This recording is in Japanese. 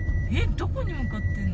どこに向かってるの？